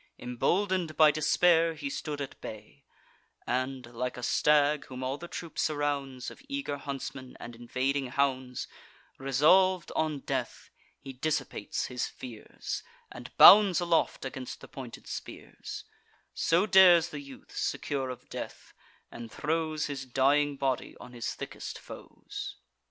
Embolden'd by despair, he stood at bay; And, like a stag, whom all the troop surrounds Of eager huntsmen and invading hounds Resolv'd on death, he dissipates his fears, And bounds aloft against the pointed spears: So dares the youth, secure of death; and throws His dying body on his thickest foes.